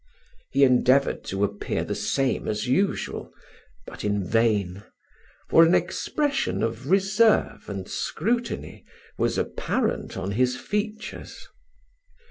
He endeavoured to appear the same as usual, but in vain; for an expression of reserve and scrutiny was apparent on his features.